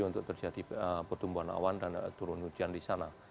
untuk terjadi pertumbuhan awan dan turun hujan di sana